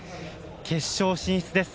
決勝進出です。